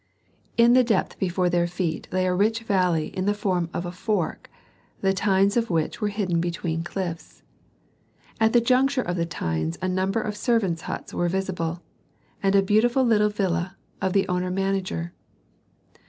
In the depth before their feet lay a rich valley in the form of a fork the tines of which were hidden between cliffs. At the juncture of the tines a number of servants' huts were visible, and the beautiful little villa of the owner or manager.